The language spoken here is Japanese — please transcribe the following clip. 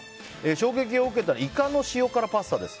衝撃を受けたのはイカの塩辛パスタです。